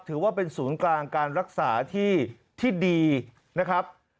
ถือว่าเป็นศูนย์กลางการรักษาที่ดีนะครับ